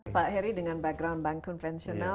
pak heri dengan background bank konvensional